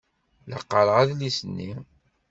La qqareɣ adlis-nni.